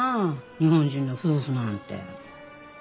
日本人の夫婦なんて。